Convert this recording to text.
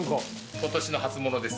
今年の初物です。